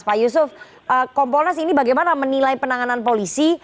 pak yusuf kompolnas ini bagaimana menilai penanganan polisi